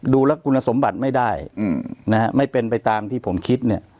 ดูแล้วคุณสมบัติไม่ได้ไม่เป็นไปตามที่ผมคิดเนี่ย